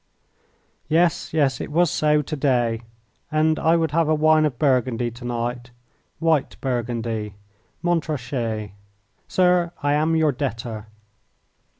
Yes, yes, it was so to day, and I would have a wine of Burgundy to night. White Burgundy Montrachet Sir, I am your debtor!